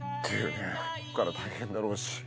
こっから大変だろうし。